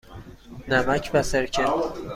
نمک و سرکه.